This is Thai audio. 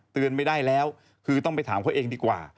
ไม่ได้แล้วคือต้องไปถามเขาเองดีกว่า